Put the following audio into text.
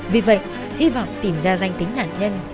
vì vậy hy vọng tìm ra danh tính nạn nhân